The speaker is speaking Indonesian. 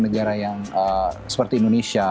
negara yang seperti indonesia